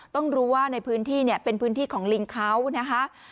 ต้องรู้ว่าในพื้นที่เนี่ยเป็นพื้นที่ของลิงเขานะคะ